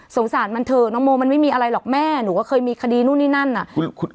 สงสารมันเถอะน้องโมมันไม่มีอะไรหรอกแม่หนูก็เคยมีคดีนู่นนี่นั่นน่ะ